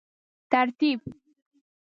ترتیب